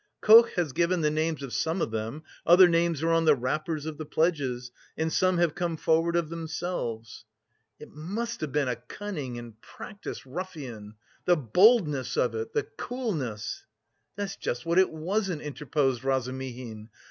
"Koch has given the names of some of them, other names are on the wrappers of the pledges and some have come forward of themselves." "It must have been a cunning and practised ruffian! The boldness of it! The coolness!" "That's just what it wasn't!" interposed Razumihin.